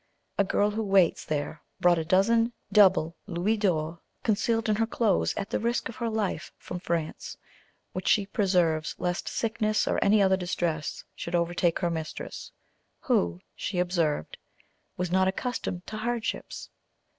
A girl who waits there brought a dozen double louis d'or concealed in her clothes, at the risk of her life, from France, which she preserves lest sickness or any other distress should overtake her mistress, "who," she observed, "was not accustomed to hardships."